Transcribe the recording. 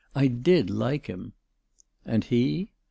I did like him." "And he?"